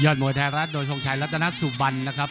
มวยไทยรัฐโดยทรงชัยรัตนสุบันนะครับ